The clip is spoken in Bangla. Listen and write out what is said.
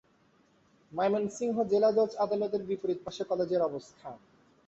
ময়মনসিংহ জেলা জজ আদালতের বিপরীত পাশে কলেজের অবস্থান।